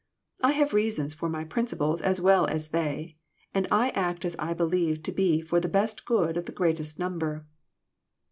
I have reasons for my principles as well as they, and I act as I believe to be for the best good of the greatest number."